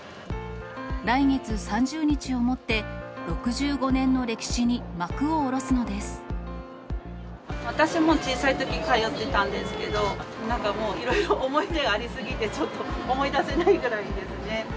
来月３０日をもって、私も小さいとき、通ってたんですけど、なんかもういろいろ思い出があり過ぎて、ちょっと思い出せないぐ